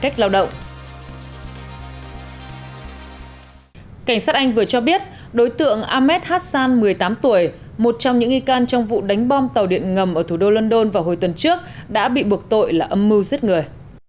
cảnh sát anh vừa cho biết đối tượng ahmed hassan một mươi tám tuổi một trong những nghi can trong vụ đánh bom tàu điện ngầm ở thủ đô london vào hồi tuần trước đã bị buộc tội là âm mưu giết người